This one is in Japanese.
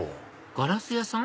ガラス屋さん？